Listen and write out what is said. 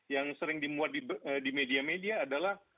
yang sering dimuat di media media adalah